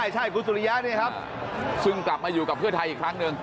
ใช่คุณสุริยะนี่ครับซึ่งกลับมาอยู่กับเพื่อไทยอีกครั้งหนึ่ง